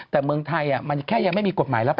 แต่เมืองไทยมันแค่ยังไม่มีกฎหมายรับ